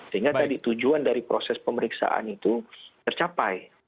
sehingga tadi tujuan dari proses pemeriksaan itu tercapai